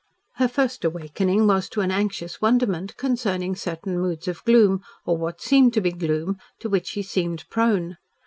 Her first awakening was to an anxious wonderment concerning certain moods of gloom, or what seemed to be gloom, to which he seemed prone.